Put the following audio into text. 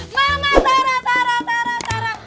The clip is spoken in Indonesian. mama tara tara tara tara